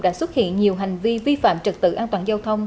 đã xuất hiện nhiều hành vi vi phạm trật tự an toàn giao thông